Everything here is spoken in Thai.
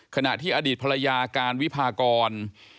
ขณะที่อดีตภรรยาการวิพากร